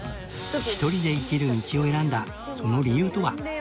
ひとりで生きる道を選んだその理由とは？